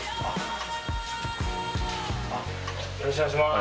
よろしくお願いします。